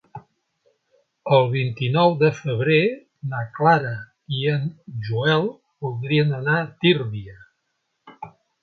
El vint-i-nou de febrer na Clara i en Joel voldrien anar a Tírvia.